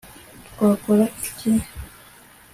twakora iki